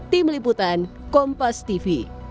tim liputan kompas tv